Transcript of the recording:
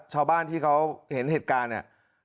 ชาวบ้านที่เขาเห็นเหตุการณ์เนี่ย